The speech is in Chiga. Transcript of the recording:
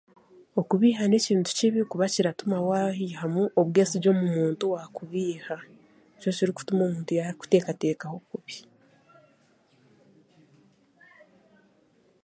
Okubeiha n'ekintu kibi kuba kiratuma waayeyihamu obwesigye omu muntu owaakubeiha. Nikyo kirikutuma omuntu yaakuteekateekaho kubi.